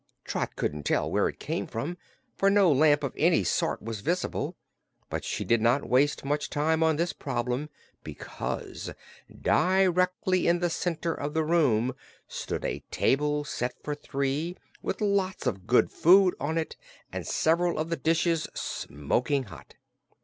Trot couldn't tell where it came from, for no lamp of any sort was visible, but she did not waste much time on this problem, because directly in the center of the room stood a table set for three, with lots of good food on it and several of the dishes smoking hot.